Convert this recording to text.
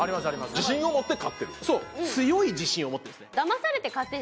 自信を持って買ってるそう強い自信を持ってるんですね